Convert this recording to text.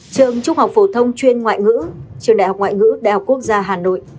trường trung học phổ thông chuyên ngoại ngữ trường đại học ngoại ngữ đại học quốc gia hà nội